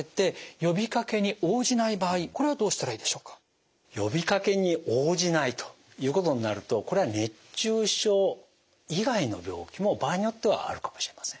呼びかけに応じないということになるとこれは熱中症以外の病気も場合によってはあるかもしれません。